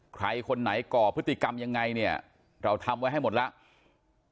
ใครคนไหนก่อพฤติกรรมยังไงเนี่ยเราทำไว้ให้หมดแล้ว